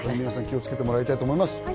皆さん気をつけてもらいたいと思います。